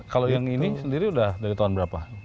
kalau yang ini sendiri udah dari tahun berapa